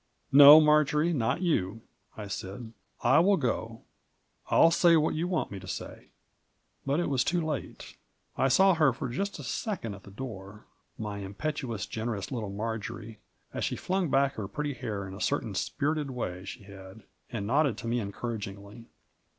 "No, Marjory, not you 1 " I said ;" I will go : I'll say what you want me to say 1 " But it was too late. I saw her for just a second at Digitized by VjOOQIC MABJ0E7. 101 the door, my impetuous, generous little Marjory, as she flung back her pretty hair in a certain spirited way she had, and nodded to me encouragingly.